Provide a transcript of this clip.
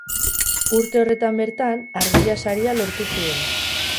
Urte horretan bertan Argia Saria lortu zuen.